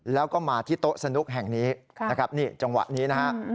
แล้วก็มาที่โต๊ะสนุกแห่งนี้นะครับนี่จังหวะนี้นะฮะ